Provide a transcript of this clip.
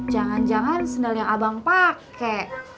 jangan jangan sendal yang abang pakai